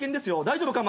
大丈夫か！？